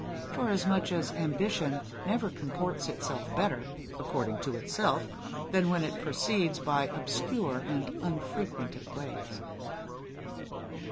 Forasmuch as ambition never comports itself better, according to itself, than when it proceeds by obscure and unfrequented ways.